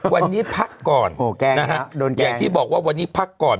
วันนี้พักก่อนโหแกล้งนะโดนแกล้งอย่างที่บอกว่าวันนี้พักก่อน